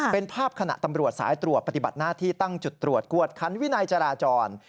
เป็นภาพขณะตำรวจสายตรวจปฏิบัติหน้าที่ตั้งจุดตรวจกวดคันวินัยจราจร